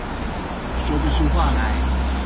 說不出話來